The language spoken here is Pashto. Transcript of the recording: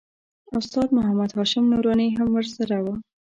استاد محمد هاشم نوراني هم ورسره و.